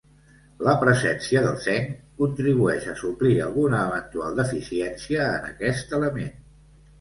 La presència del zinc contribueix a suplir alguna eventual deficiència en aquest element.